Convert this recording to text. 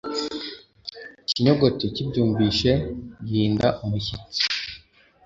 ikinyogote kibyumvise gihinda umushyitsi